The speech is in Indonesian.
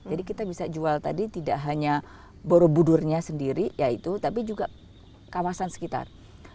jadi kita bisa jual tadi tidak hanya borobudurnya sendiri ya itu tapi juga kawasan sekitar